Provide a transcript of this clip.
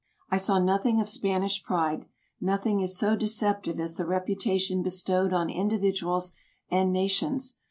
I saw nothing of Spanish pride ; nothing is so deceptive as the reputation bestowed on individuals and nations.